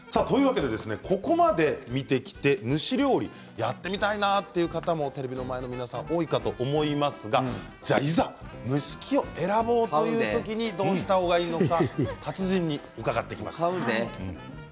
ここまで見てきて蒸し料理をやってみたいなという方テレビの前の皆さん多いかと思いますがいざ蒸し器を選ぼうという時にどうしたほうがいいのか達人に伺ってきました。